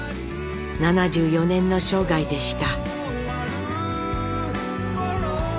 ７４年の生涯でした。